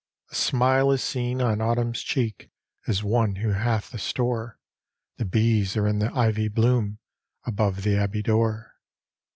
A smile is seen on Autumn's cheek, As one who hath a store ; The bees are in the ivy bloom, Above the abbey door.